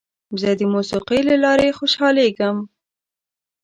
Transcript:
زه د موسیقۍ له لارې خوشحالېږم.